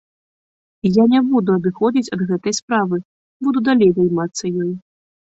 Я не буду адыходзіць ад гэтай справы, буду далей займацца ёй.